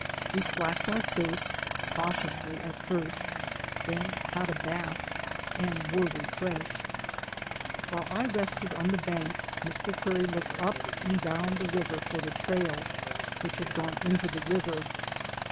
We slacked our thirst, cautiously, at first, then had a bath and were refreshed. "While I rested on the bank, Mr. Curry looked up and down the river for the trail, which had gone into the river.